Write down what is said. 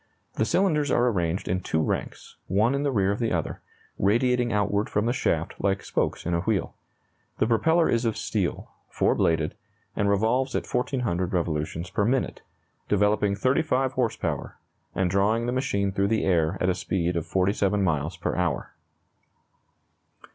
The cylinders are arranged in two ranks, one in the rear of the other, radiating outward from the shaft like spokes in a wheel. The propeller is of steel, 4 bladed, and revolves at 1,400 revolutions per minute, developing 35 horse power, and drawing the machine through the air at a speed of 47 miles per hour.